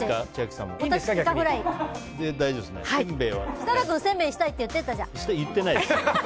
設楽君、せんべいにしたいって言ってないです。